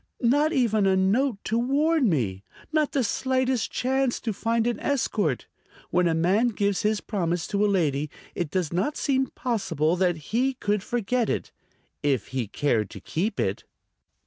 Not even a note to warn me! Not the slightest chance to find an escort! When a man gives his promise to a lady it does not seem possible that he could forget it ... if he cared to keep it."